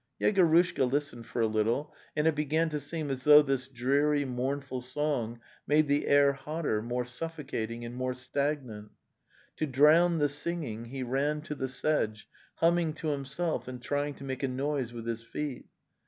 ... Yegorushka listened for a little, and it began to seem as though this dreary, mournful song made the air hotter, more suffocating and more stagnant. . To drown the singing he ran to the sedge, humming to himself and trying to make a noise with his feet.